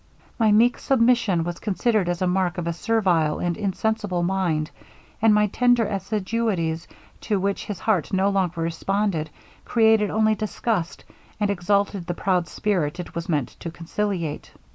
My meek submission was considered as a mark of a servile and insensible mind; and my tender assiduities, to which his heart no longer responded, created only disgust, and exalted the proud spirit it was meant to conciliate.